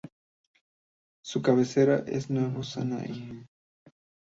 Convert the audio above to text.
Su cabecera es Nuevo Sinaí.